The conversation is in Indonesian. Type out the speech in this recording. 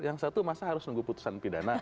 yang satu masih harus menunggu putusan pidana